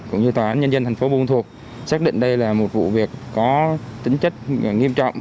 cũng như tòa án nhân dân thành phố buôn thuộc xác định đây là một vụ việc có tính chất nghiêm trọng